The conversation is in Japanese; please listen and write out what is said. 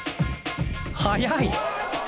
速い！